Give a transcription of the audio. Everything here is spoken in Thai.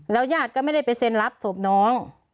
แล้วยาดก็ไม่ได้ไปเซ็นรับสวบน้อง